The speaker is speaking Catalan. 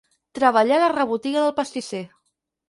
Treballar a la rebotiga del pastisser.